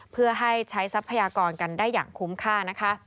เพื่อให้ใช้ทรัพยากรกันได้อย่างคุ้มค่านะคะ